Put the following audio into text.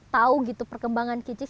tahu perkembangan kicix